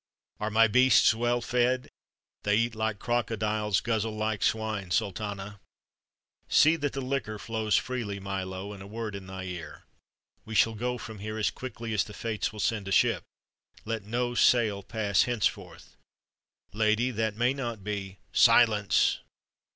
"Are my beasts well fed?" "They eat like crocodiles, guzzle like swine, Sultana." "See that the liquor flows freely, Milo. And a word in thy ear. We shall go from here as quickly as the fates will send a ship. Let no sail pass henceforth." "Lady, that may not be " "Silence!